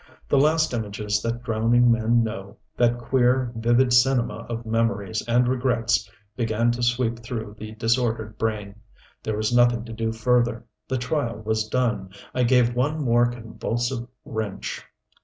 The last images that drowning men know, that queer, vivid cinema of memories and regrets began to sweep through the disordered brain. There was nothing to do further. The trial was done. I gave one more convulsive wrench....